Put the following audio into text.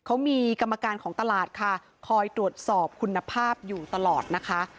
เขามีกรรมการของตลาดค่ะคอยตรวจสอบคุณภาพอยู่ตลอดนะคะ